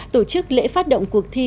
tổ chức lễ phát động cuộc thi